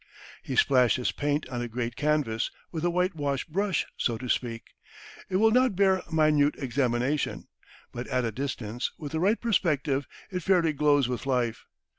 He splashed his paint on a great canvas with a whitewash brush, so to speak; it will not bear minute examination; but at a distance, with the right perspective, it fairly glows with life.